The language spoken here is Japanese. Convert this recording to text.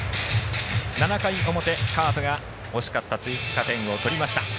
７回表、カープが欲しかった追加点を取りました。